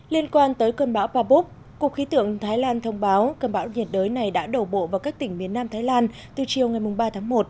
liên quan tới cơn bão pabuk cục khí tượng thái lan thông báo cơn bão nhiệt đới này đã đổ bộ vào các tỉnh miền nam thái lan từ chiều ngày ba tháng một